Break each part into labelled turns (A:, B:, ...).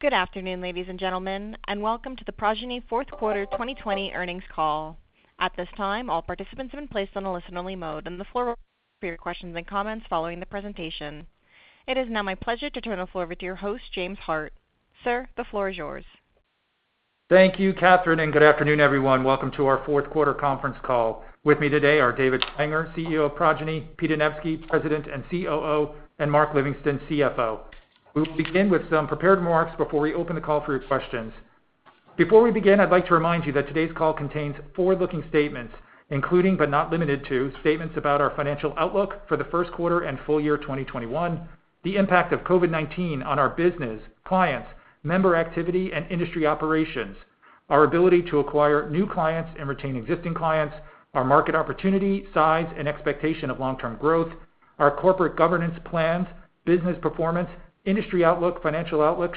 A: Good afternoon, ladies and gentlemen, and welcome to the Progyny fourth quarter 2020 earnings call. At this time, all participants have been placed on a listen-only mode, and the floor - your questions and comments following the presentation. It is now my pleasure to turn the floor over to your host, James Hart. Sir, the floor is yours.
B: Thank you, Catherine. Good afternoon, everyone. Welcome to our fourth quarter conference call. With me today are David Schlanger, CEO of Progyny, Pete Anevski, President and COO, and Mark Livingston, CFO. We will begin with some prepared remarks before we open the call for your questions. Before we begin, I'd like to remind you that today's call contains forward-looking statements, including, but not limited to, statements about our financial outlook for the first quarter and full year 2021, the impact of COVID-19 on our business, clients, member activity, and industry operations, our ability to acquire new clients and retain existing clients, our market opportunity, size, and expectation of long-term growth, our corporate governance plans, business performance, industry outlook, financial outlook,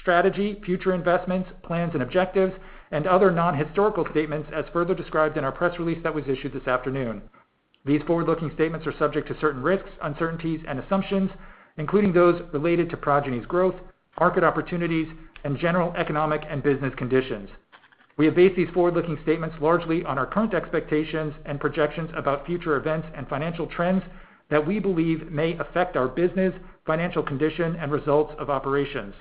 B: strategy, future investments, plans and objectives, and other non-historical statements as further described in our press release that was issued this afternoon. These forward-looking statements are subject to certain risks, uncertainties, and assumptions, including those related to Progyny's growth, market opportunities, and general economic and business conditions. We have based these forward-looking statements largely on our current expectations and projections about future events and financial trends that we believe may affect our business, financial condition, and results of operations.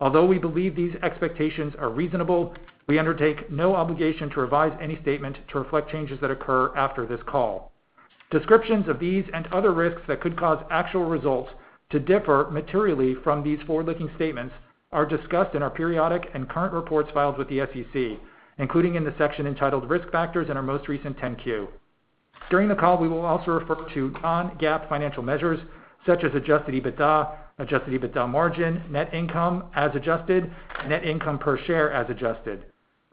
B: Although we believe these expectations are reasonable, we undertake no obligation to revise any statement to reflect changes that occur after this call. Descriptions of these and other risks that could cause actual results to differ materially from these forward-looking statements are discussed in our periodic and current reports filed with the SEC, including in the section entitled Risk Factors in our most recent 10-Q. During the call, we will also refer to non-GAAP financial measures such as adjusted EBITDA, adjusted EBITDA margin, net income as adjusted, net income per share as adjusted.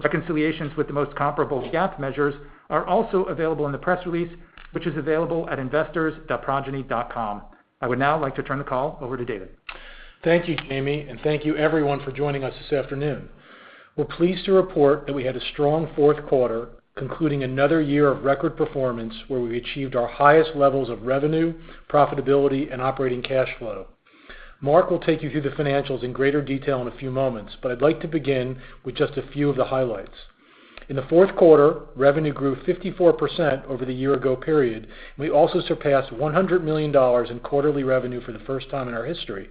B: Reconciliations with the most comparable GAAP measures are also available in the press release, which is available at investors.progyny.com. I would now like to turn the call over to David.
C: Thank you, Jamie, and thank you, everyone, for joining us this afternoon. We're pleased to report that we had a strong fourth quarter, concluding another year of record performance where we achieved our highest levels of revenue, profitability, and operating cash flow. Mark will take you through the financials in greater detail in a few moments. I'd like to begin with just a few of the highlights. In the fourth quarter, revenue grew 54% over the year ago period. We also surpassed $100 million in quarterly revenue for the first time in our history.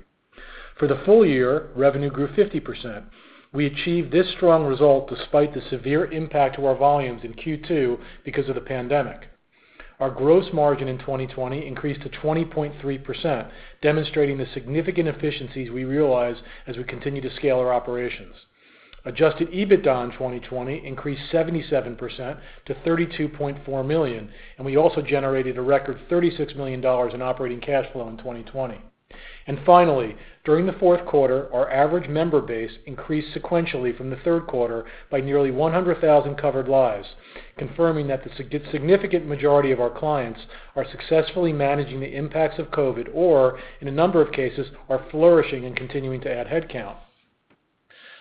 C: For the full year, revenue grew 50%. We achieved this strong result despite the severe impact to our volumes in Q2 because of the pandemic. Our gross margin in 2020 increased to 20.3%, demonstrating the significant efficiencies we realize as we continue to scale our operations. Adjusted EBITDA in 2020 increased 77% to $32.4 million. We also generated a record $36 million in operating cash flow in 2020. Finally, during the fourth quarter, our average member base increased sequentially from the third quarter by nearly 100,000 covered lives, confirming that the significant majority of our clients are successfully managing the impacts of COVID or, in a number of cases, are flourishing and continuing to add headcount.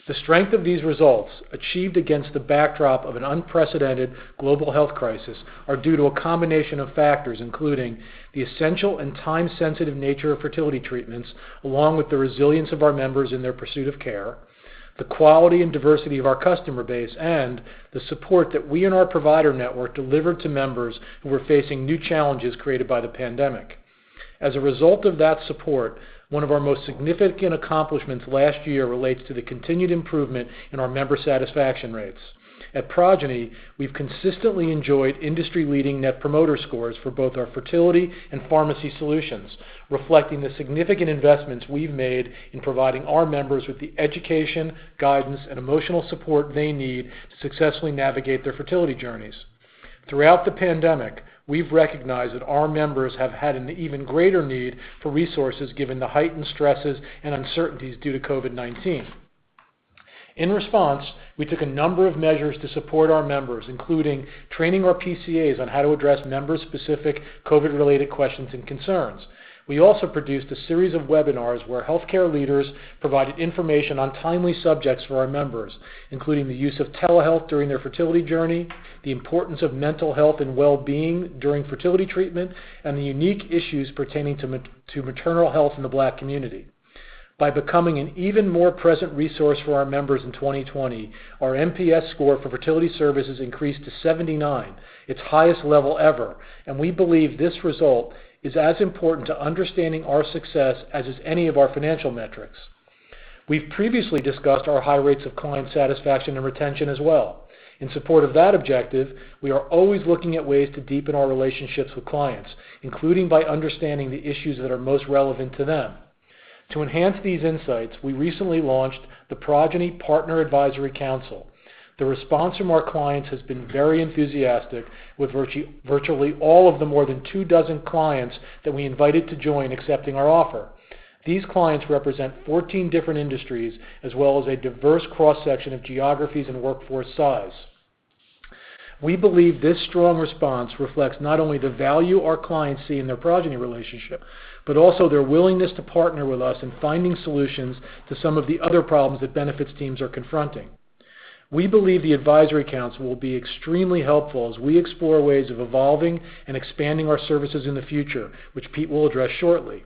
C: The strength of these results, achieved against the backdrop of an unprecedented global health crisis, are due to a combination of factors, including the essential and time-sensitive nature of fertility treatments, along with the resilience of our members in their pursuit of care, the quality and diversity of our customer base, and the support that we and our provider network delivered to members who were facing new challenges created by the pandemic. As a result of that support, one of our most significant accomplishments last year relates to the continued improvement in our member satisfaction rates. At Progyny, we've consistently enjoyed industry-leading net promoter scores for both our fertility and pharmacy solutions, reflecting the significant investments we've made in providing our members with the education, guidance, and emotional support they need to successfully navigate their fertility journeys. Throughout the pandemic, we've recognized that our members have had an even greater need for resources given the heightened stresses and uncertainties due to COVID-19. In response, we took a number of measures to support our members, including training our PCAs on how to address member-specific COVID-related questions and concerns. We also produced a series of webinars where healthcare leaders provided information on timely subjects for our members, including the use of telehealth during their fertility journey, the importance of mental health and wellbeing during fertility treatment, and the unique issues pertaining to maternal health in the Black community. By becoming an even more present resource for our members in 2020, our NPS score for fertility services increased to 79, its highest level ever, and we believe this result is as important to understanding our success as is any of our financial metrics. We've previously discussed our high rates of client satisfaction and retention as well. In support of that objective, we are always looking at ways to deepen our relationships with clients, including by understanding the issues that are most relevant to them. To enhance these insights, we recently launched the Progyny Partner Advisory Council. The response from our clients has been very enthusiastic, with virtually all of the more than two dozen clients that we invited to join accepting our offer. These clients represent 14 different industries, as well as a diverse cross-section of geographies and workforce size. We believe this strong response reflects not only the value our clients see in their Progyny relationship, but also their willingness to partner with us in finding solutions to some of the other problems that benefits teams are confronting. We believe the advisory council will be extremely helpful as we explore ways of evolving and expanding our services in the future, which Pete will address shortly.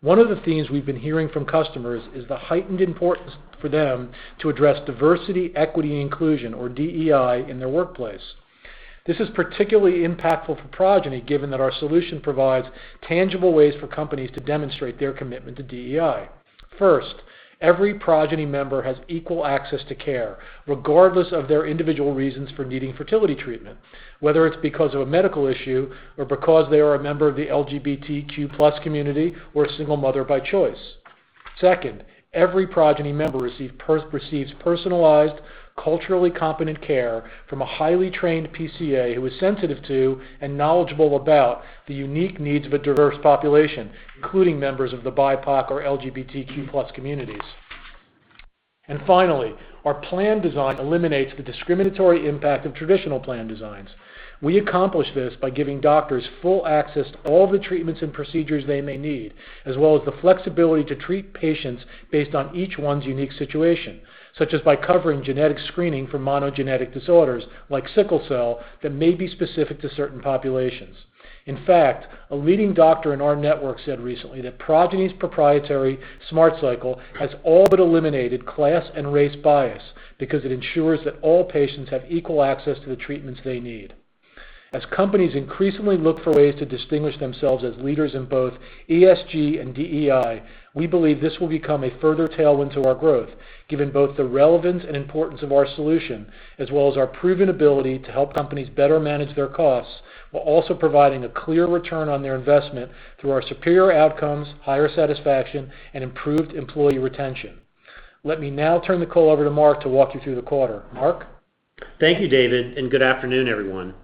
C: One of the themes we've been hearing from customers is the heightened importance for them to address diversity, equity, and inclusion, or DEI, in their workplace. This is particularly impactful for Progyny, given that our solution provides tangible ways for companies to demonstrate their commitment to DEI. First, every Progyny member has equal access to care, regardless of their individual reasons for needing fertility treatment, whether it's because of a medical issue or because they are a member of the LGBTQ+ community or a single mother by choice. Second, every Progyny member receives personalized, culturally competent care from a highly trained PCA who is sensitive to and knowledgeable about the unique needs of a diverse population, including members of the BIPOC or LGBTQ+ communities. Finally, our plan design eliminates the discriminatory impact of traditional plan designs. We accomplish this by giving doctors full access to all the treatments and procedures they may need, as well as the flexibility to treat patients based on each one's unique situation, such as by covering genetic screening for monogenetic disorders like sickle cell that may be specific to certain populations. In fact, a leading doctor in our network said recently that Progyny's proprietary Smart Cycle has all but eliminated class and race bias because it ensures that all patients have equal access to the treatments they need. As companies increasingly look for ways to distinguish themselves as leaders in both ESG and DEI, we believe this will become a further tailwind to our growth, given both the relevance and importance of our solution, as well as our proven ability to help companies better manage their costs while also providing a clear return on their investment through our superior outcomes, higher satisfaction, and improved employee retention. Let me now turn the call over to Mark to walk you through the quarter. Mark?
D: Thank you, David, and good afternoon, everyone.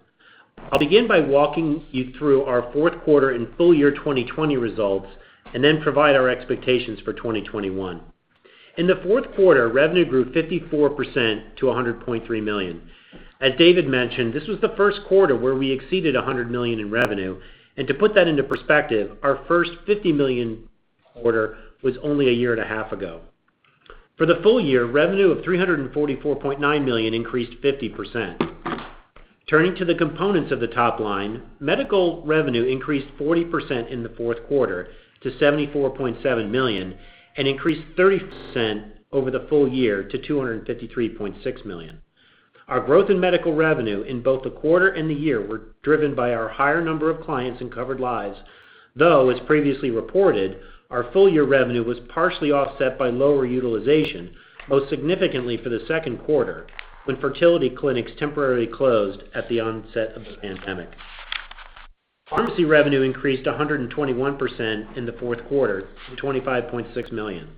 D: I'll begin by walking you through our fourth quarter and full year 2020 results and then provide our expectations for 2021. In the fourth quarter, revenue grew 54% to $100.3 million. As David mentioned, this was the first quarter where we exceeded $100 million in revenue. To put that into perspective, our first $50 million quarter was only a year and a half ago. For the full year, revenue of $344.9 million increased 50%. Turning to the components of the top line, medical revenue increased 40% in the fourth quarter to $74.7 million and increased 30% over the full year to $253.6 million. Our growth in medical revenue in both the quarter and the year were driven by our higher number of clients and covered lives, though, as previously reported, our full-year revenue was partially offset by lower utilization, most significantly for the second quarter, when fertility clinics temporarily closed at the onset of the pandemic. Pharmacy revenue increased 121% in the fourth quarter to $25.6 million.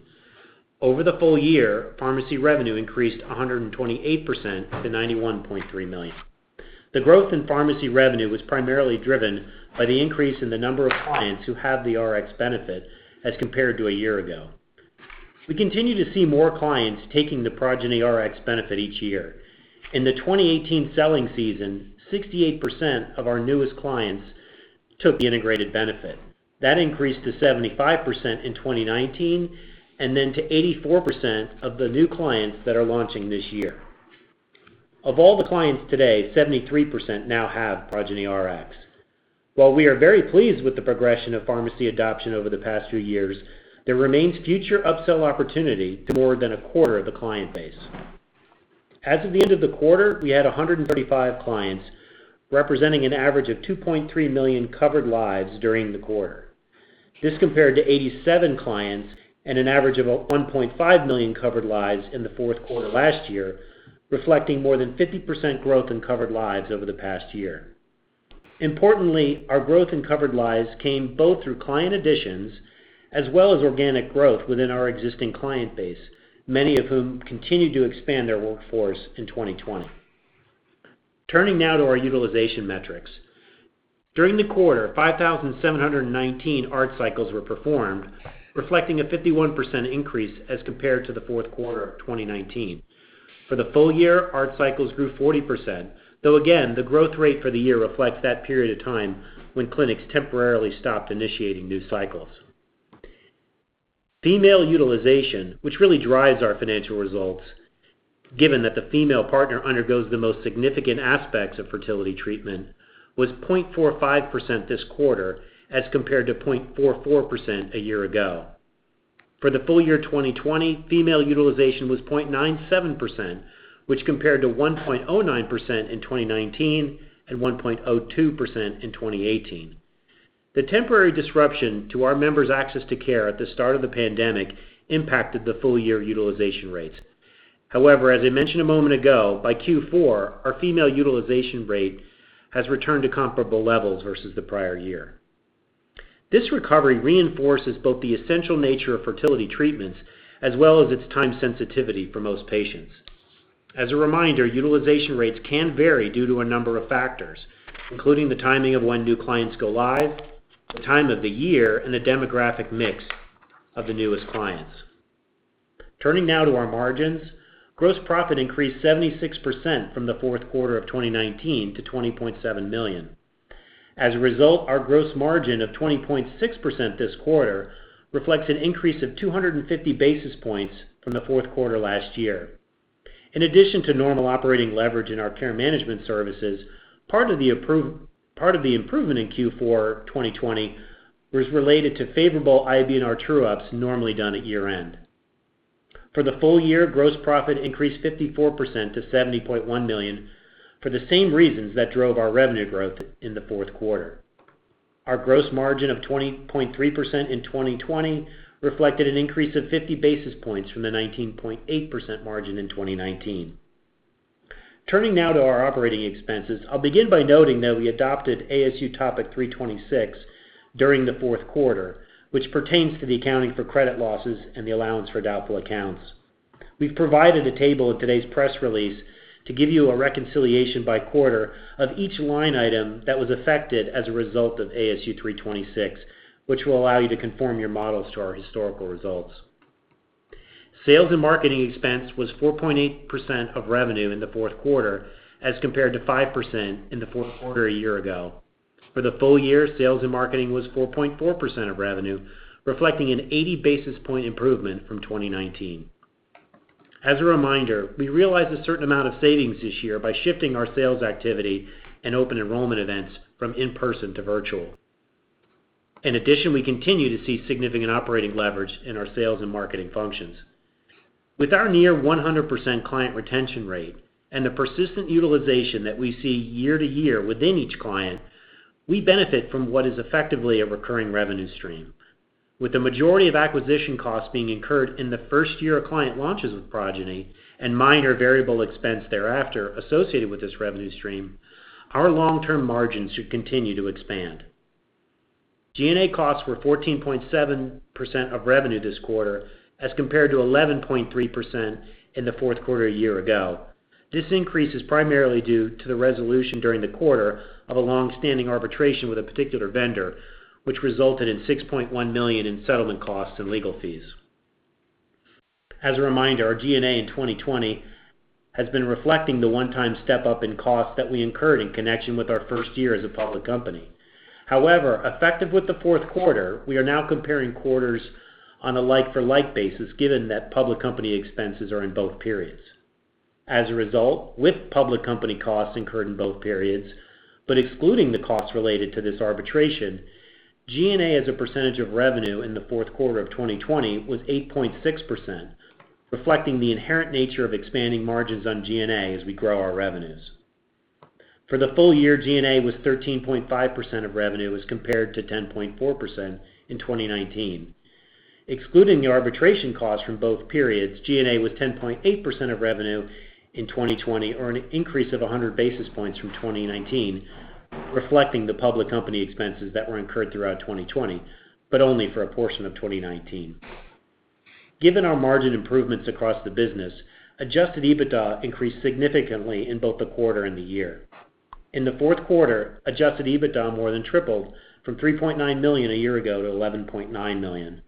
D: Over the full year, pharmacy revenue increased 128% to $91.3 million. The growth in pharmacy revenue was primarily driven by the increase in the number of clients who have the Rx benefit as compared to a year ago. We continue to see more clients taking the Progyny Rx benefit each year. In the 2018 selling season, 68% of our newest clients took the integrated benefit. That increased to 75% in 2019 and then to 84% of the new clients that are launching this year. Of all the clients today, 73% now have Progyny Rx. While we are very pleased with the progression of pharmacy adoption over the past few years, there remains future upsell opportunity to more than a quarter of the client base. As of the end of the quarter, we had 135 clients, representing an average of 2.3 million covered lives during the quarter. This compared to 87 clients and an average of 1.5 million covered lives in the fourth quarter last year, reflecting more than 50% growth in covered lives over the past year. Importantly, our growth in covered lives came both through client additions as well as organic growth within our existing client base, many of whom continued to expand their workforce in 2020. Turning now to our utilization metrics. During the quarter, 5,719 ART cycles were performed, reflecting a 51% increase as compared to the fourth quarter of 2019. For the full year, ART cycles grew 40%, though again, the growth rate for the year reflects that period of time when clinics temporarily stopped initiating new cycles. Female utilization, which really drives our financial results, given that the female partner undergoes the most significant aspects of fertility treatment, was 0.45% this quarter as compared to 0.44% a year ago. For the full year 2020, female utilization was 0.97%, which compared to 1.09% in 2019 and 1.02% in 2018. The temporary disruption to our members' access to care at the start of the pandemic impacted the full year utilization rates. As I mentioned a moment ago, by Q4, our female utilization rate has returned to comparable levels versus the prior year. This recovery reinforces both the essential nature of fertility treatments as well as its time sensitivity for most patients. As a reminder, utilization rates can vary due to a number of factors, including the timing of when new clients go live, the time of the year, and the demographic mix of the newest clients. Turning now to our margins. Gross profit increased 76% from the fourth quarter of 2019 to $20.7 million. As a result, our gross margin of 20.6% this quarter reflects an increase of 250 basis points from the fourth quarter last year. In addition to normal operating leverage in our care management services, part of the improvement in Q4 2020 was related to favorable IBNR true-ups normally done at year-end. For the full year, gross profit increased 54% to $70.1 million for the same reasons that drove our revenue growth in the fourth quarter. Our gross margin of 20.3% in 2020 reflected an increase of 50 basis points from the 19.8% margin in 2019. Turning now to our operating expenses, I'll begin by noting that we adopted ASU Topic 326 during the fourth quarter, which pertains to the accounting for credit losses and the allowance for doubtful accounts. We've provided a table in today's press release to give you a reconciliation by quarter of each line item that was affected as a result of ASU 326, which will allow you to conform your models to our historical results. Sales and marketing expense was 4.8% of revenue in the fourth quarter as compared to 5% in the fourth quarter a year ago. For the full year, sales and marketing was 4.4% of revenue, reflecting an 80 basis point improvement from 2019. As a reminder, we realized a certain amount of savings this year by shifting our sales activity and open enrollment events from in-person to virtual. In addition, we continue to see significant operating leverage in our sales and marketing functions. With our near 100% client retention rate and the persistent utilization that we see year to year within each client, we benefit from what is effectively a recurring revenue stream. With the majority of acquisition costs being incurred in the first year a client launches with Progyny, and minor variable expense thereafter associated with this revenue stream, our long-term margins should continue to expand. G&A costs were 14.7% of revenue this quarter as compared to 11.3% in the fourth quarter a year ago. This increase is primarily due to the resolution during the quarter of a longstanding arbitration with a particular vendor, which resulted in $6.1 million in settlement costs and legal fees. As a reminder, our G&A in 2020 has been reflecting the one-time step-up in costs that we incurred in connection with our first year as a public company. However, effective with the fourth quarter, we are now comparing quarters on a like-for-like basis, given that public company expenses are in both periods. As a result, with public company costs incurred in both periods, but excluding the costs related to this arbitration, G&A as a percentage of revenue in the fourth quarter of 2020 was 8.6%, reflecting the inherent nature of expanding margins on G&A as we grow our revenues. For the full year, G&A was 13.5% of revenue as compared to 10.4% in 2019. Excluding the arbitration costs from both periods, G&A was 10.8% of revenue in 2020, or an increase of 100 basis points from 2019, reflecting the public company expenses that were incurred throughout 2020, but only for a portion of 2019. Given our margin improvements across the business, adjusted EBITDA increased significantly in both the quarter and the year. In the fourth quarter, adjusted EBITDA more than tripled from $3.9 million a year ago to $11.9 million.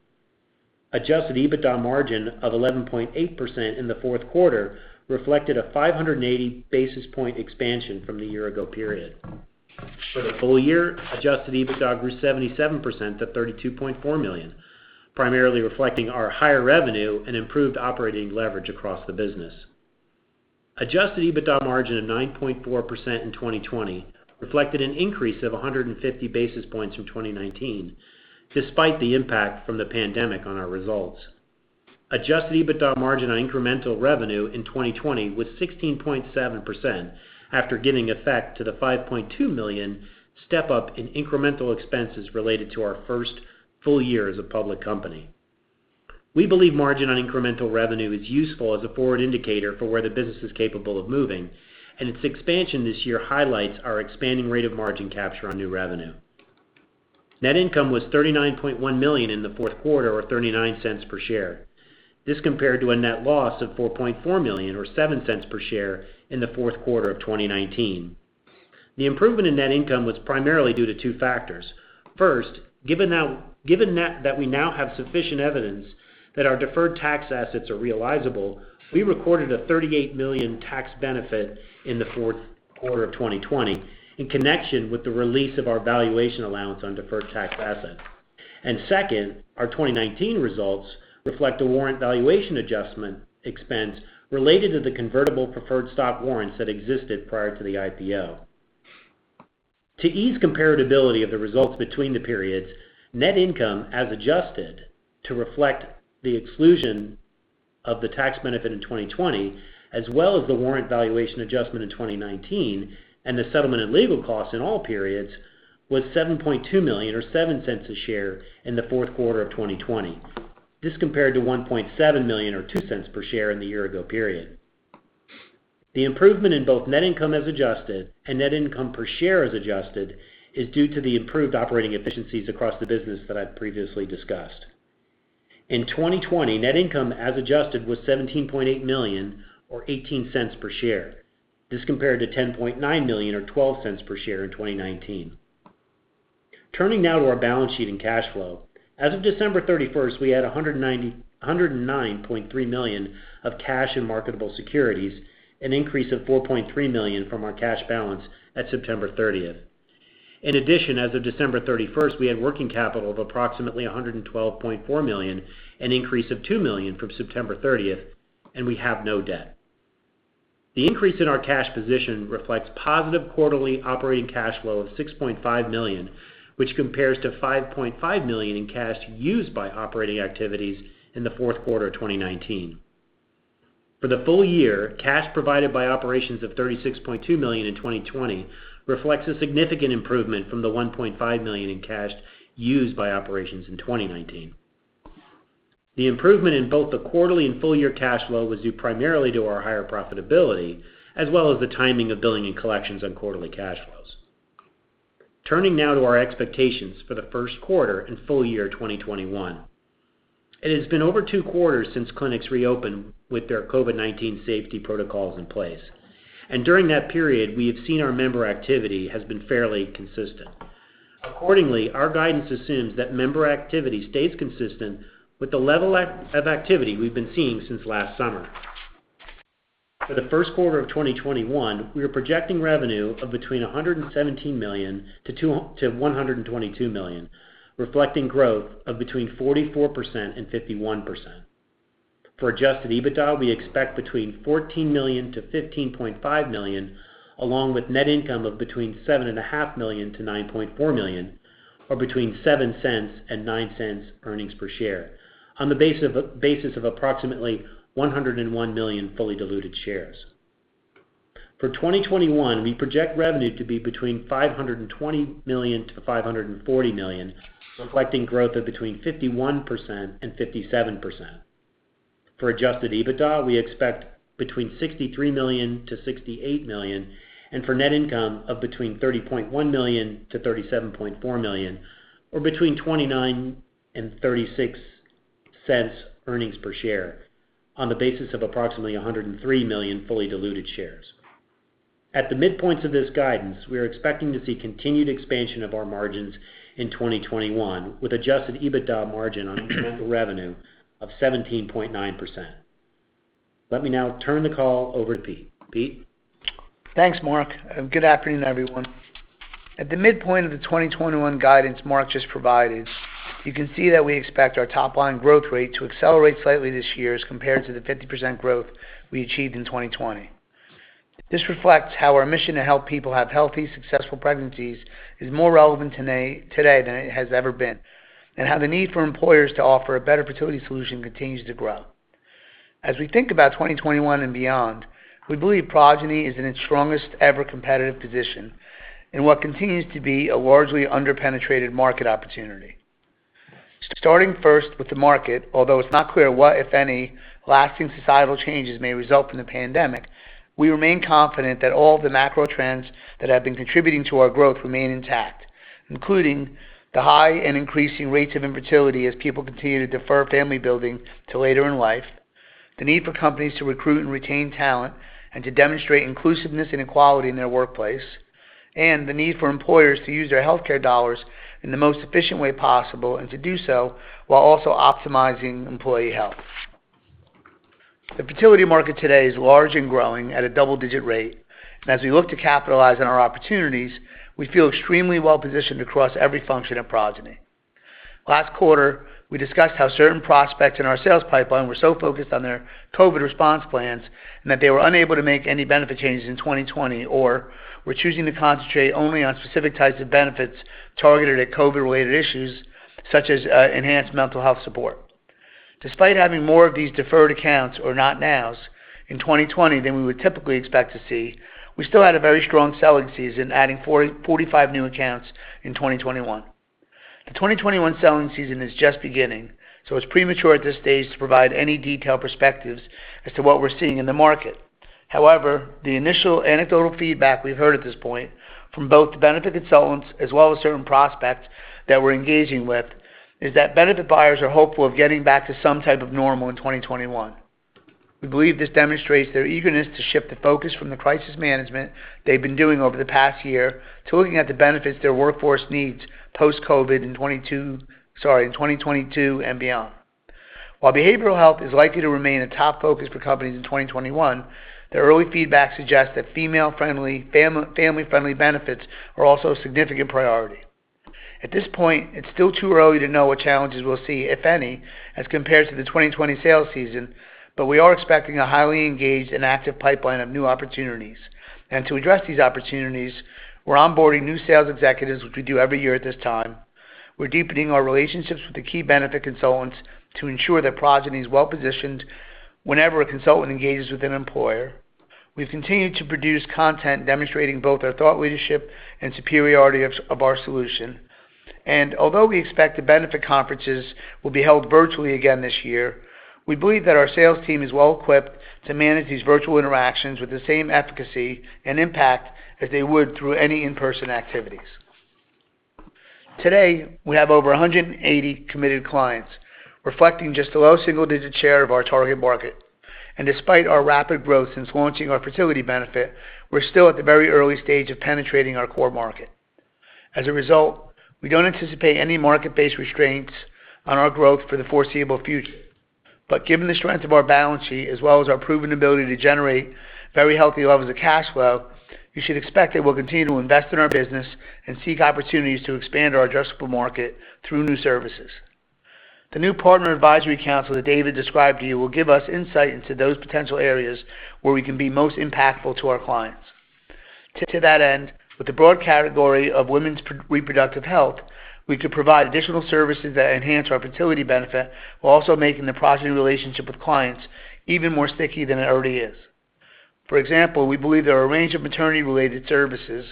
D: Adjusted EBITDA margin of 11.8% in the fourth quarter reflected a 580 basis point expansion from the year ago period. For the full year, adjusted EBITDA grew 77% to $32.4 million, primarily reflecting our higher revenue and improved operating leverage across the business. Adjusted EBITDA margin of 9.4% in 2020 reflected an increase of 150 basis points from 2019, despite the impact from the pandemic on our results. Adjusted EBITDA margin on incremental revenue in 2020 was 16.7% after giving effect to the $5.2 million step-up in incremental expenses related to our first full year as a public company. We believe margin on incremental revenue is useful as a forward indicator for where the business is capable of moving, and its expansion this year highlights our expanding rate of margin capture on new revenue. Net income was $39.1 million in the fourth quarter, or $0.39 per share. This compared to a net loss of $4.4 million or $0.07 per share in the fourth quarter of 2019. The improvement in net income was primarily due to two factors. First, given that we now have sufficient evidence that our deferred tax assets are realizable, we recorded a $38 million tax benefit in the fourth quarter 2020 in connection with the release of our valuation allowance on deferred tax assets. Second, our 2019 results reflect a warrant valuation adjustment expense related to the convertible preferred stock warrants that existed prior to the IPO. To ease comparability of the results between the periods, net income as adjusted to reflect the exclusion of the tax benefit in 2020, as well as the warrant valuation adjustment in 2019, and the settlement and legal costs in all periods, was $7.2 million or $0.07 a share in the fourth quarter of 2020. This compared to $1.7 million or $0.02 per share in the year ago period. The improvement in both net income as adjusted and net income per share as adjusted is due to the improved operating efficiencies across the business that I've previously discussed. In 2020, net income as adjusted was $17.8 million or $0.18 per share. This compared to $10.9 million or $0.12 per share in 2019. Turning now to our balance sheet and cash flow. As of December 31st, we had $109.3 million of cash and marketable securities, an increase of $4.3 million from our cash balance at September 30th. In addition, as of December 31st, we had working capital of approximately $112.4 million, an increase of $2 million from September 30th, and we have no debt. The increase in our cash position reflects positive quarterly operating cash flow of $6.5 million, which compares to $5.5 million in cash used by operating activities in the fourth quarter 2019. For the full year, cash provided by operations of $36.2 million in 2020 reflects a significant improvement from the $1.5 million in cash used by operations in 2019. The improvement in both the quarterly and full-year cash flow was due primarily to our higher profitability, as well as the timing of billing and collections on quarterly cash flows. Turning now to our expectations for the first quarter and full year 2021. It has been over two quarters since clinics reopened with their COVID-19 safety protocols in place, and during that period, we have seen our member activity has been fairly consistent. Accordingly, our guidance assumes that member activity stays consistent with the level of activity we've been seeing since last summer. For the first quarter of 2021, we are projecting revenue of between $117 million-$122 million, reflecting growth of between 44%-51%. For adjusted EBITDA, we expect between $14 million-$15.5 million, along with net income of between $7.5 million-$9.4 million, or between $0.07 and $0.09 earnings per share on the basis of approximately 101 million fully diluted shares. For 2021, we project revenue to be between $520 million-$540 million, reflecting growth of between 51% and 57%. For adjusted EBITDA, we expect between $63 million-$68 million and for net income of between $30.1 million-$37.4 million, or between $0.29 and $0.36 earnings per share on the basis of approximately 103 million fully diluted shares. At the midpoints of this guidance, we are expecting to see continued expansion of our margins in 2021, with adjusted EBITDA margin on incremental revenue of 17.9%. Let me now turn the call over to Pete. Pete?
E: Thanks, Mark, and good afternoon, everyone. At the midpoint of the 2021 guidance Mark just provided, you can see that we expect our top-line growth rate to accelerate slightly this year as compared to the 50% growth we achieved in 2020. This reflects how our mission to help people have healthy, successful pregnancies is more relevant today than it has ever been, and how the need for employers to offer a better fertility solution continues to grow. As we think about 2021 and beyond, we believe Progyny is in its strongest-ever competitive position in what continues to be a largely under-penetrated market opportunity. Starting first with the market, although it's not clear what, if any, lasting societal changes may result from the pandemic, we remain confident that all the macro trends that have been contributing to our growth remain intact, including the high and increasing rates of infertility as people continue to defer family building to later in life, the need for companies to recruit and retain talent, and to demonstrate inclusiveness and equality in their workplace, and the need for employers to use their healthcare dollars in the most efficient way possible, and to do so while also optimizing employee health. As we look to capitalize on our opportunities, we feel extremely well-positioned across every function at Progyny. Last quarter, we discussed how certain prospects in our sales pipeline were so focused on their COVID response plans, and that they were unable to make any benefit changes in 2020, or were choosing to concentrate only on specific types of benefits targeted at COVID-related issues, such as enhanced mental health support. Despite having more of these deferred accounts or not nows in 2020 than we would typically expect to see, we still had a very strong selling season, adding 45 new accounts in 2021. 2021 selling season is just beginning, so it's premature at this stage to provide any detailed perspectives as to what we're seeing in the market. However, the initial anecdotal feedback we've heard at this point from both the benefit consultants as well as certain prospects that we're engaging with, is that benefit buyers are hopeful of getting back to some type of normal in 2021. We believe this demonstrates their eagerness to shift the focus from the crisis management they've been doing over the past year to looking at the benefits their workforce needs post-COVID in 2022 and beyond. While behavioral health is likely to remain a top focus for companies in 2021, the early feedback suggests that female-friendly, family-friendly benefits are also a significant priority. At this point, it's still too early to know what challenges we'll see, if any, as compared to the 2020 sales season. We are expecting a highly engaged and active pipeline of new opportunities. To address these opportunities, we're onboarding new sales executives, which we do every year at this time. We're deepening our relationships with the key benefit consultants to ensure that Progyny is well-positioned whenever a consultant engages with an employer. We've continued to produce content demonstrating both our thought leadership and superiority of our solution. Although we expect the benefit conferences will be held virtually again this year, we believe that our sales team is well-equipped to manage these virtual interactions with the same efficacy and impact as they would through any in-person activities. Today, we have over 180 committed clients, reflecting just the low single-digit share of our target market. Despite our rapid growth since launching our fertility benefit, we're still at the very early stage of penetrating our core market. As a result, we don't anticipate any market-based restraints on our growth for the foreseeable future. Given the strength of our balance sheet, as well as our proven ability to generate very healthy levels of cash flow, you should expect that we'll continue to invest in our business and seek opportunities to expand our addressable market through new services. The new Partner Advisory Council that David described to you will give us insight into those potential areas where we can be most impactful to our clients. To that end, with the broad category of women's reproductive health, we could provide additional services that enhance our fertility benefit, while also making the Progyny relationship with clients even more sticky than it already is. For example, we believe there are a range of maternity-related services,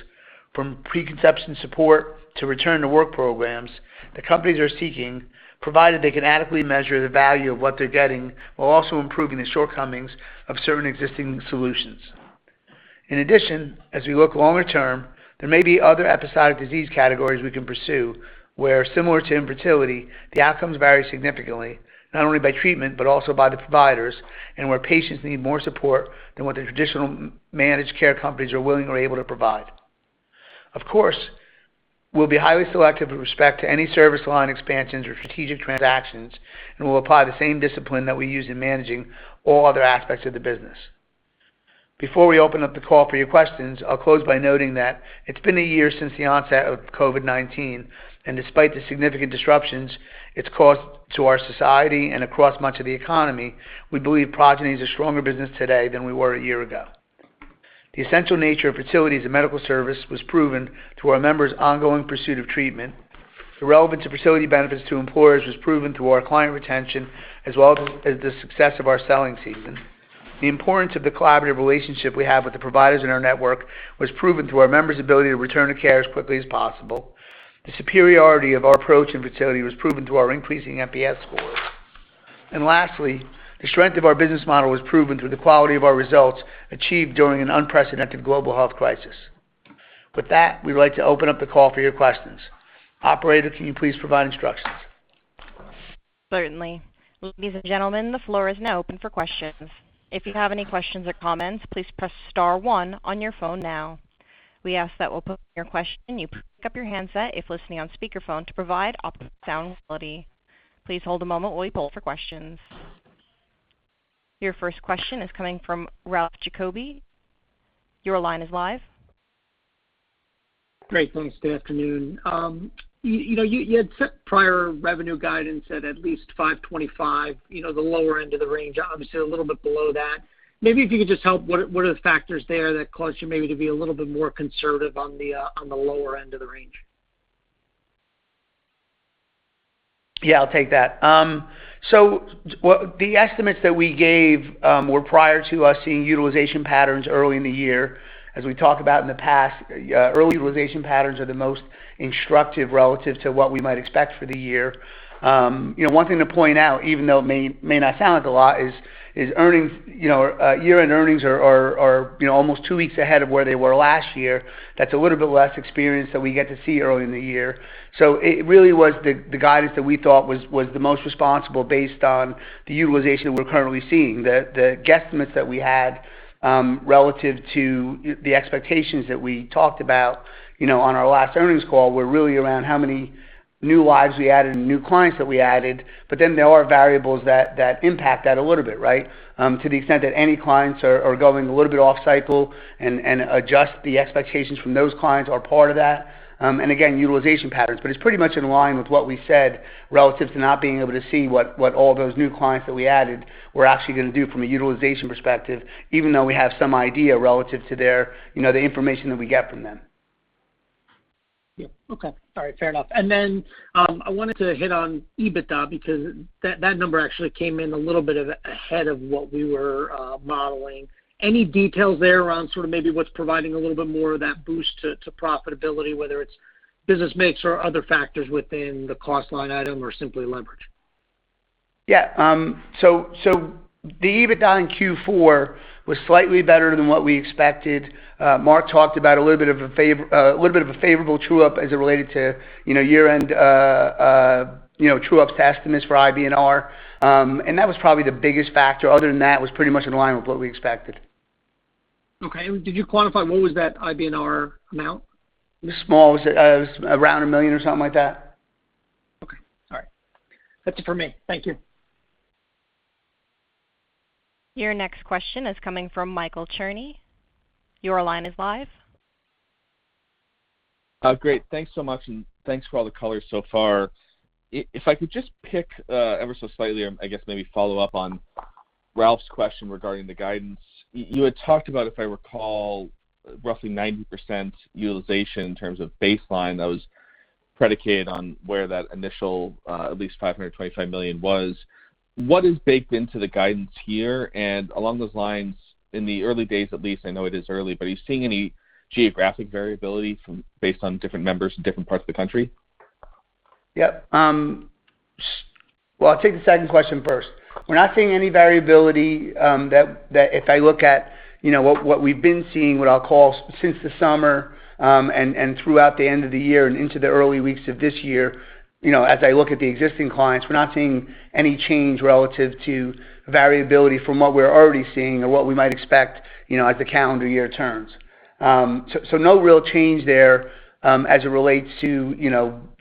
E: from preconception support to return-to-work programs, that companies are seeking, provided they can adequately measure the value of what they're getting, while also improving the shortcomings of certain existing solutions. In addition, as we look longer term, there may be other episodic disease categories we can pursue where, similar to infertility, the outcomes vary significantly, not only by treatment, but also by the providers, and where patients need more support than what the traditional managed care companies are willing or able to provide. Of course, we'll be highly selective with respect to any service line expansions or strategic transactions, and we'll apply the same discipline that we use in managing all other aspects of the business. Before we open up the call for your questions, I'll close by noting that it's been a year since the onset of COVID-19, and despite the significant disruptions it's caused to our society and across much of the economy, we believe Progyny is a stronger business today than we were a year ago. The essential nature of fertility as a medical service was proven through our members' ongoing pursuit of treatment. The relevance of fertility benefits to employers was proven through our client retention as well as the success of our selling season. The importance of the collaborative relationship we have with the providers in our network was proven through our members' ability to return to care as quickly as possible. The superiority of our approach in fertility was proven through our increasing NPS scores. Lastly, the strength of our business model was proven through the quality of our results achieved during an unprecedented global health crisis. With that, we'd like to open up the call for your questions. Operator, can you please provide instructions?
A: Certainly. Ladies and gentlemen, the floor is now open for questions. If you have any questions or comments, please press star one on your phone now. We ask that when posing your question, you pick up your handset if listening on speakerphone to provide optimal sound quality. Please hold a moment while we poll for questions. Your first question is coming from Ralph Giacobbe. Your line is live.
F: Great, thanks. Good afternoon. You had set prior revenue guidance at least $525, the lower end of the range, obviously a little bit below that. Maybe if you could just help, what are the factors there that caused you maybe to be a little bit more conservative on the lower end of the range?
E: Yeah, I'll take that. The estimates that we gave were prior to us seeing utilization patterns early in the year. As we talked about in the past, early utilization patterns are the most instructive relative to what we might expect for the year. One thing to point out, even though it may not sound like a lot, is year-end earnings are almost two weeks ahead of where they were last year. That's a little bit less experience that we get to see early in the year. It really was the guidance that we thought was the most responsible based on the utilization that we're currently seeing. The guesstimates that we had relative to the expectations that we talked about on our last earnings call were really around how many new lives we added and new clients that we added, there are variables that impact that a little bit, right? To the extent that any clients are going a little bit off cycle and adjust the expectations from those clients are part of that. Again, utilization patterns. It's pretty much in line with what we said relative to not being able to see what all those new clients that we added were actually going to do from a utilization perspective, even though we have some idea relative to the information that we get from them.
F: Yeah. Okay. All right. Fair enough. I wanted to hit on EBITDA, because that number actually came in a little bit ahead of what we were modeling. Any details there on sort of maybe what's providing a little bit more of that boost to profitability, whether it's business mix or other factors within the cost line item or simply leverage?
E: Yeah. So, the EBITDA in Q4 was slightly better than what we expected. Mark talked about a little bit of a favorable true-up as it related to year-end true-up estimates for IBNR. That was probably the biggest factor. Other than that, it was pretty much in line with what we expected.
F: Okay. Did you quantify what was that IBNR amount?
E: It was small. It was around $1 million or something like that.
F: Okay. All right. That's it for me. Thank you.
A: Your next question is coming from Michael Cherny. Your line is live.
G: Great. Thanks so much, and thanks for all the color so far. If I could just pick ever so slightly, or I guess maybe follow up on Ralph's question regarding the guidance. You had talked about, if I recall, roughly 90% utilization in terms of baseline that was predicated on where that initial at least $525 million was. What is baked into the guidance here? Along those lines, in the early days at least, I know it is early, but are you seeing any geographic variability based on different members in different parts of the country?
E: Yep. Well, I'll take the second question first. We're not seeing any variability that if I look at what we've been seeing, what I'll call since the summer and throughout the end of the year and into the early weeks of this year, as I look at the existing clients, we're not seeing any change relative to variability from what we're already seeing or what we might expect as the calendar year turns. No real change there as it relates to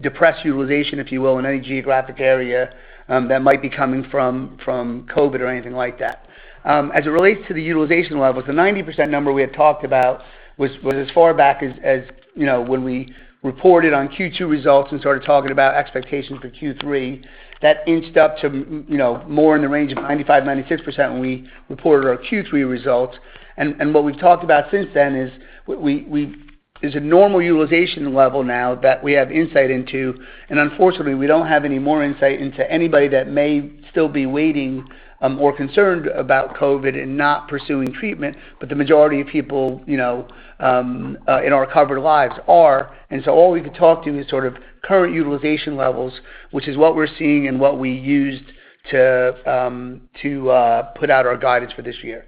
E: depressed utilization, if you will, in any geographic area that might be coming from COVID-19 or anything like that. As it relates to the utilization levels, the 90% number we had talked about was as far back as when we reported on Q2 results and started talking about expectations for Q3. That inched up to more in the range of 95%-96% when we reported our Q3 results. What we've talked about since then is there's a normal utilization level now that we have insight into, and unfortunately, we don't have any more insight into anybody that may still be waiting or concerned about COVID and not pursuing treatment. The majority of people in our covered lives are, and so all we can talk to is sort of current utilization levels, which is what we're seeing and what we used to put out our guidance for this year.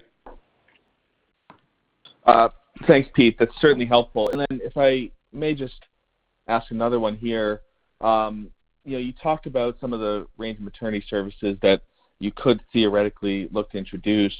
G: Thanks, Pete. That's certainly helpful. Then if I may just ask another one here. You talked about some of the range of maternity services that you could theoretically look to introduce.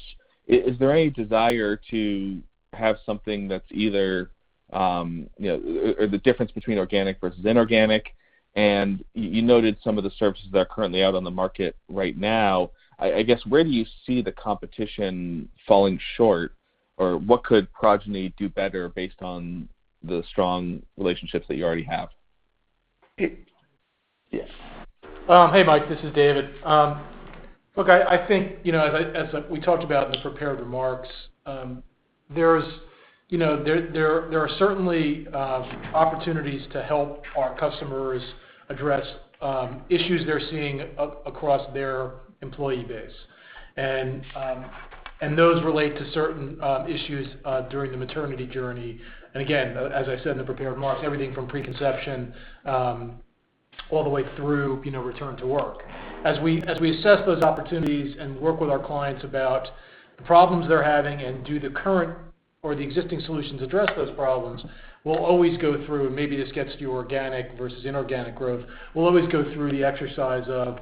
G: Is there any desire to have something that's either or the difference between organic versus inorganic, and you noted some of the services that are currently out on the market right now. I guess, where do you see the competition falling short or what could Progyny do better based on the strong relationships that you already have?
C: Pete.
E: Yes.
C: Hey, Mike, this is David. Look, I think, as we talked about in the prepared remarks, there are certainly opportunities to help our customers address issues they're seeing across their employee base. Those relate to certain issues during the maternity journey. Again, as I said in the prepared remarks, everything from preconception all the way through return to work. As we assess those opportunities and work with our clients about the problems they're having and do the current or the existing solutions address those problems, we'll always go through, and maybe this gets to organic versus inorganic growth, we'll always go through the exercise of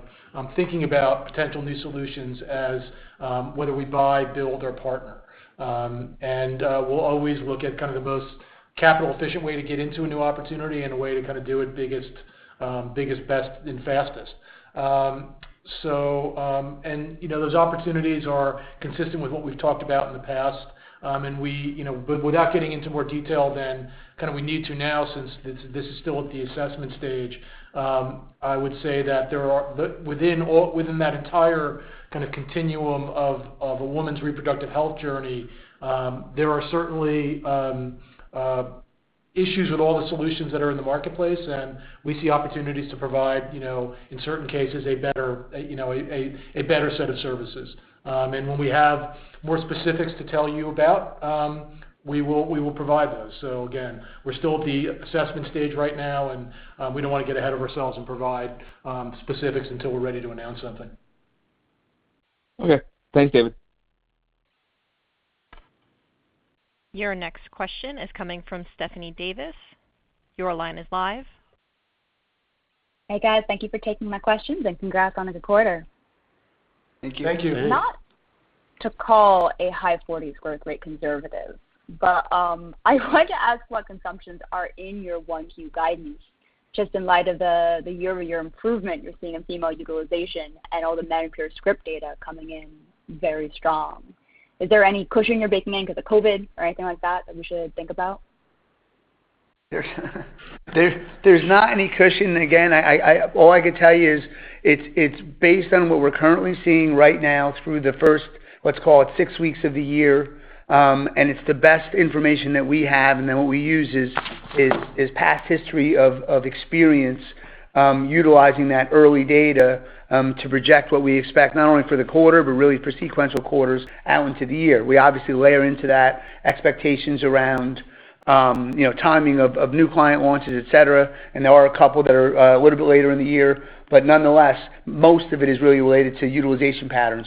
C: thinking about potential new solutions as whether we buy, build or partner. We'll always look at kind of the most capital efficient way to get into a new opportunity and a way to kind of do it biggest, best and fastest. Those opportunities are consistent with what we've talked about in the past. Without getting into more detail than kind of we need to now since this is still at the assessment stage, I would say that within that entire kind of continuum of a woman's reproductive health journey, there are certainly issues with all the solutions that are in the marketplace, and we see opportunities to provide, in certain cases, a better set of services. When we have more specifics to tell you about, we will provide those. Again, we're still at the assessment stage right now, and we don't want to get ahead of ourselves and provide specifics until we're ready to announce something.
G: Okay. Thanks, David.
A: Your next question is coming from Stephanie Davis. Your line is live.
H: Hey, guys. Thank you for taking my questions and congrats on a good quarter.
E: Thank you.
C: Thank you.
H: Not to call a high 40s growth rate conservative, I wanted to ask what consumptions are in your 1Q guidance, just in light of the year-over-year improvement you're seeing in female utilization and all the medi script data coming in very strong. Is there any cushion you're baking in because of COVID or anything like that we should think about?
E: There's not any cushion. All I could tell you is it's based on what we're currently seeing right now through the first, let's call it six weeks of the year. It's the best information that we have, what we use is past history of experience utilizing that early data to project what we expect, not only for the quarter, but really for sequential quarters out into the year. We obviously layer into that expectations around timing of new client launches, et cetera, there are a couple that are a little bit later in the year. Nonetheless, most of it is really related to utilization patterns.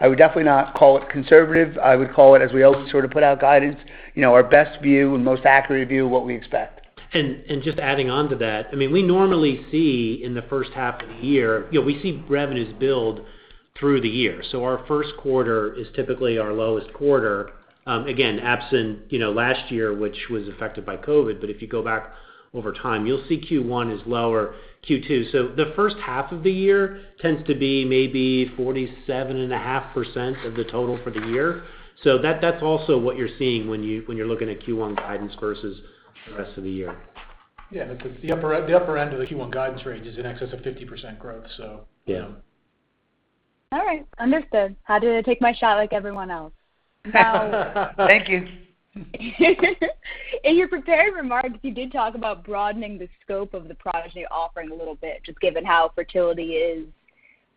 E: I would definitely not call it conservative. I would call it, as we always sort of put out guidance, our best view and most accurate view of what we expect. Just adding onto that, we normally see in the first half of the year, we see revenues build through the year. Our first quarter is typically our lowest quarter. Again, absent last year, which was affected by COVID, but if you go back over time, you'll see Q1 is lower, Q2. The first half of the year tends to be maybe 47.5% of the total for the year. That's also what you're seeing when you're looking at Q1 guidance versus the rest of the year.
C: Yeah. The upper end of the Q1 guidance range is in excess of 50% growth. Yeah.
H: All right. Understood. Had to take my shot like everyone else.
E: Thank you.
H: In your prepared remarks, you did talk about broadening the scope of the Progyny offering a little bit, just given how fertility is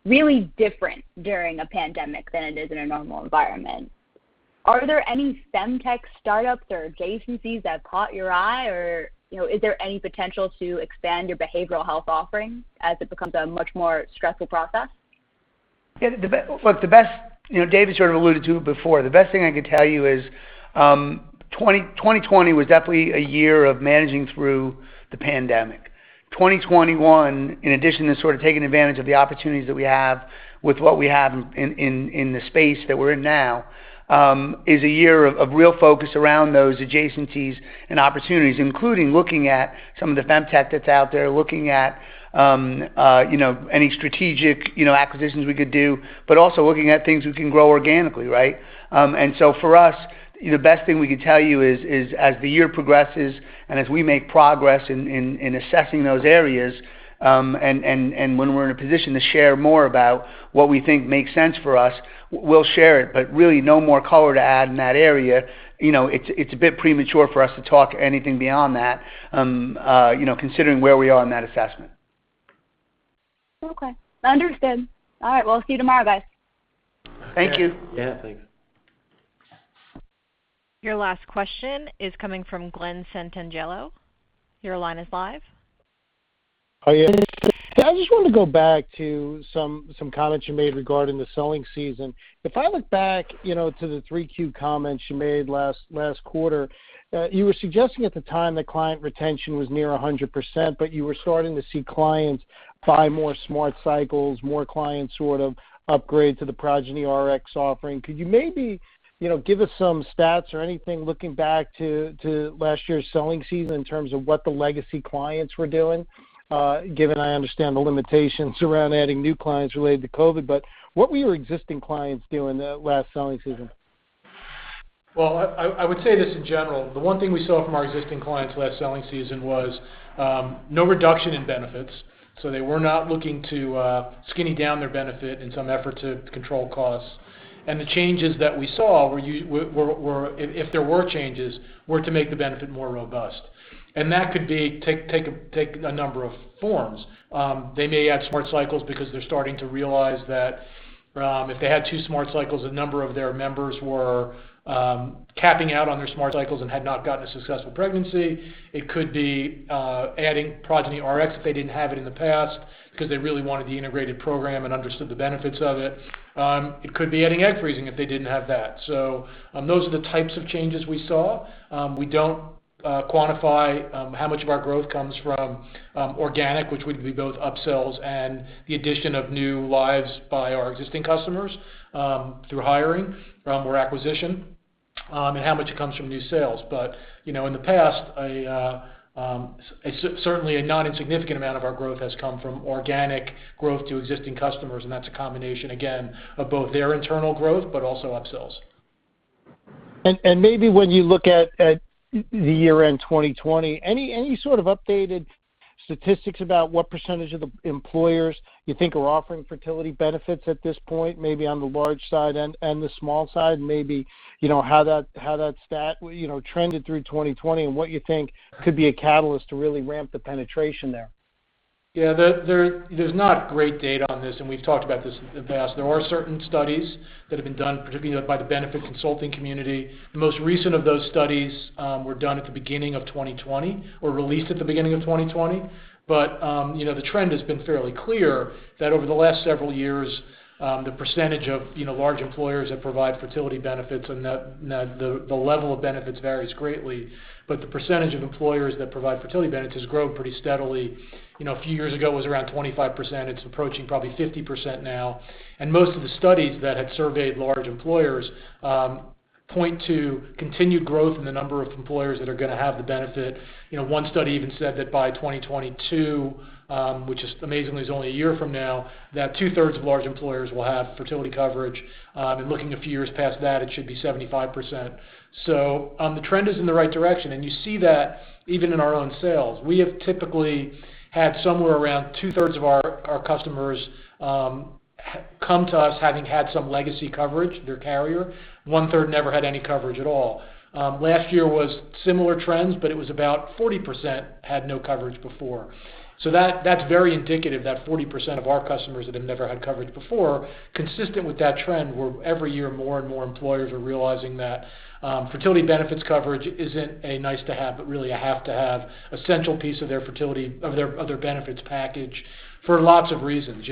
H: really different during a pandemic than it is in a normal environment. Are there any FemTech startups or adjacencies that caught your eye? Is there any potential to expand your behavioral health offerings as it becomes a much more stressful process?
E: Yeah. David sort of alluded to it before. The best thing I could tell you is 2020 was definitely a year of managing through the pandemic. 2021, in addition to sort of taking advantage of the opportunities that we have with what we have in the space that we're in now, is a year of real focus around those adjacencies and opportunities, including looking at some of the FemTech that's out there, looking at any strategic acquisitions we could do, but also looking at things we can grow organically, right? For us, the best thing we could tell you is, as the year progresses and as we make progress in assessing those areas, and when we're in a position to share more about what we think makes sense for us, we'll share it. Really no more color to add in that area. It's a bit premature for us to talk anything beyond that considering where we are in that assessment.
H: Okay. Understood. All right, well, see you tomorrow, guys.
E: Thank you.
C: Yeah. Thanks.
A: Your last question is coming from Glen Santangelo. Your line is live.
I: Hi. I just wanted to go back to some comments you made regarding the selling season. If I look back to the 3Q comments you made last, last quarter, you were suggesting at the time that client retention was near 100%, but you were starting to see clients buy more Smart Cycles, more clients sort of upgrade to the Progyny Rx offering. Could you maybe give us some stats or anything looking back to last year's selling season in terms of what the legacy clients were doing, given I understand the limitations around adding new clients related to COVID, but what were your existing clients doing that last selling season?
C: Well, I would say this in general, the one thing we saw from our existing clients last selling season was no reduction in benefits. They were not looking to skinny down their benefit in some effort to control costs. The changes that we saw, if there were changes, were to make the benefit more robust. That could take a number of forms. They may add Smart Cycles because they're starting to realize that if they had two Smart Cycles, a number of their members were capping out on their Smart Cycles and had not gotten a successful pregnancy. It could be adding Progyny Rx if they didn't have it in the past because they really wanted the integrated program and understood the benefits of it. It could be adding egg freezing if they didn't have that. Those are the types of changes we saw. We don't quantify how much of our growth comes from organic, which would be both upsells and the addition of new lives by our existing customers through hiring or acquisition, and how much comes from new sales. In the past, certainly a not insignificant amount of our growth has come from organic growth to existing customers, and that's a combination, again, of both their internal growth, but also upsells.
I: Maybe when you look at the year-end 2020, any sort of updated statistics about what % of the employers you think are offering fertility benefits at this point, maybe on the large side and the small side? Maybe how that stat trended through 2020 and what you think could be a catalyst to really ramp the penetration there?
C: There's not great data on this, and we've talked about this in the past. There are certain studies that have been done, particularly by the benefit consulting community. The most recent of those studies were done at the beginning of 2020 or released at the beginning of 2020. The trend has been fairly clear that over the last several years, the percentage of large employers that provide fertility benefits, and the level of benefits varies greatly, but the percentage of employers that provide fertility benefits has grown pretty steadily. A few years ago, it was around 25%. It's approaching probably 50% now. Most of the studies that had surveyed large employers point to continued growth in the number of employers that are going to have the benefit. One study even said that by 2022, which amazingly is only a year from now, that two-thirds of large employers will have fertility coverage. Looking a few years past that, it should be 75%. The trend is in the right direction, and you see that even in our own sales. We have typically had somewhere around two-thirds of our customers come to us having had some legacy coverage, their carrier, one-third never had any coverage at all. Last year was similar trends, but it was about 40% had no coverage before. That's very indicative, that 40% of our customers that have never had coverage before, consistent with that trend, where every year more and more employers are realizing that fertility benefits coverage isn't a nice-to-have, but really a have-to-have essential piece of their benefits package for lots of reasons.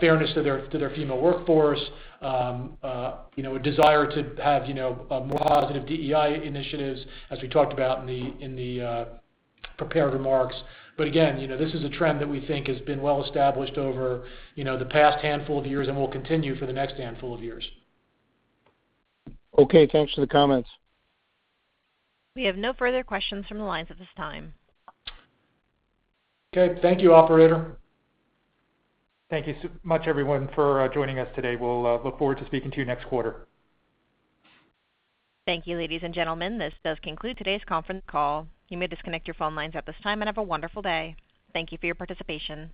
C: Fairness to their female workforce, a desire to have more positive DEI initiatives, as we talked about in the prepared remarks. Again, this is a trend that we think has been well established over the past handful of years and will continue for the next handful of years.
I: Okay. Thanks for the comments.
A: We have no further questions from the lines at this time.
C: Okay. Thank you, operator.
B: Thank you so much, everyone, for joining us today. We'll look forward to speaking to you next quarter.
A: Thank you, ladies and gentlemen. This does conclude today's conference call. You may disconnect your phone lines at this time, and have a wonderful day. Thank you for your participation.